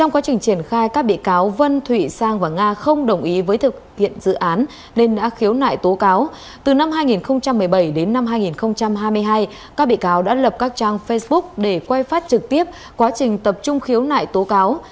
quá trình tập trung khiếu nại tố cáo